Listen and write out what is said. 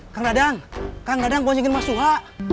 kang dadang kang dadang mau singin mas suha